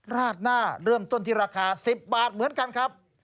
ราดหน้าเริ่มต้นที่ราคา๑๐บาทเหมือนกันครับ